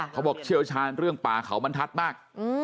เชี่ยวชาญเรื่องป่าเขาบรรทัศน์มาก